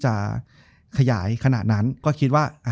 จบการโรงแรมจบการโรงแรม